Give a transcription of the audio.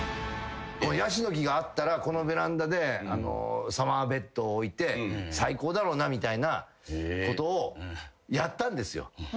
ヤシの木があったらこのベランダでサマーベッドを置いて最高だろうなみたいなことをやったんですよ。